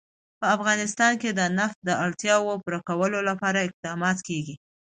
په افغانستان کې د نفت د اړتیاوو پوره کولو لپاره اقدامات کېږي.